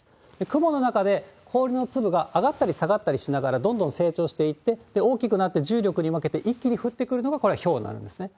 雲の中で氷の粒が上がったり下がったりしながらどんどん成長していって、大きくなって重力に負けて一気に降ってくるのが、これがひょうなんですね。